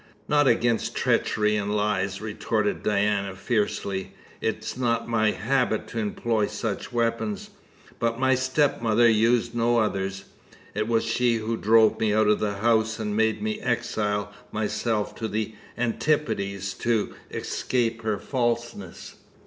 "Not against treachery and lies!" retorted Diana fiercely. "It is not my habit to employ such weapons, but my stepmother used no others. It was she who drove me out of the house and made me exile myself to the Antipodes to escape her falseness.